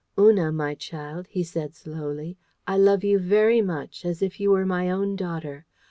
"Una, my child," he said slowly, "I love you very much, as if you were my own daughter.